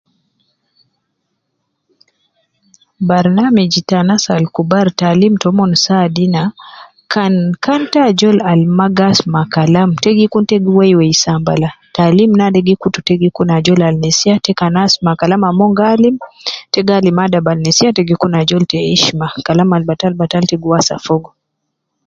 Barnamij ta anas Al kubar taalim taumon saadu ina. Kan kan taajol Al maa gaasuma Kalam te gi Kun te gi weiwei sambala, taalim naade gi kutu te Kun ajol al nesiya, te kan asuma Kalam Mon gi alim ta gi Kun ajol ab ta hishma.